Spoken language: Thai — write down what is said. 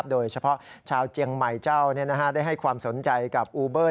โดยเฉพาะชาวเจียงใหม่เจ้าได้ให้ความสนใจกับอูเบอร์